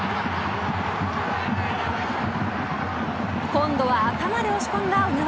今度は頭で押し込んだ小川。